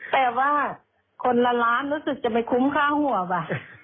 แต่ว่าคนละล้านรู้สึกจะไปคุ้มค่าหัวว่ะ